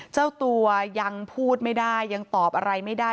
เจ้าตัวยังพูดไม่ได้ยังตอบอะไรไม่ได้